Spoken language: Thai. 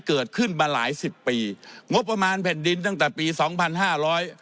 เกิดขึ้นมาหลายสิบปีงบประมาณแผ่นดินตั้งแต่ปีสองพันห้าร้อย